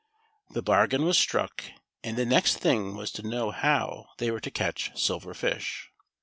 The bargain was struck, and the next thing was to know how they were to catch Silver Fish.